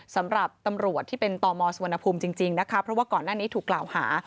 สำหรับตำรวจที่เป็นตมสุวรรณภูมิจริงนะคะเพราะว่าก่อนหน้านี้ถูกกล่าวหา